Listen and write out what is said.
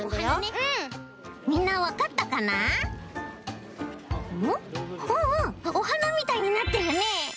うんうんおはなみたいになってるね